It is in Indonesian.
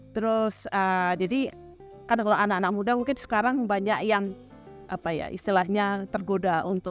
terus jadi karena kalau anak anak muda mungkin sekarang banyak yang apa ya istilahnya tergoda untuk